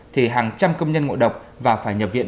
thì hàng trăm công nhân ngộ độc và phải nhập viện